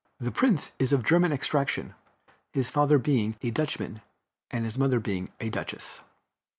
The Prince is of German extraction, his father being a Dutchman and his mother a Duchess.